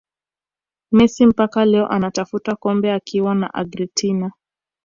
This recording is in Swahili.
Messi mpaka leo anatafuta kombe akiwa na Argentina